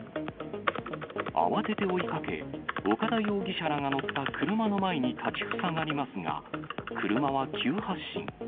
慌てて追いかけ、岡田容疑者らが乗った車の前に立ちふさがりますが、車は急発進。